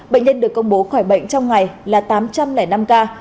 bệnh nhân được công bố khỏi bệnh trong ngày là tám trăm linh năm ca